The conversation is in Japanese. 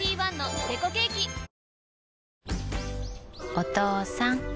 お父さん。